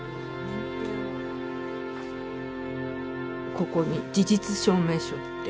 ここに事実証明書って。